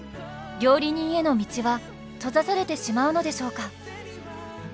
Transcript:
料理人への道は閉ざされてしまうのでしょうか？